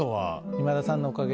今田さんのおかげ。